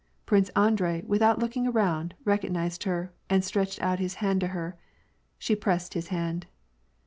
Prince Andrei, without looking around, recognized her, and stretched out his hand to her. She pressed his hand.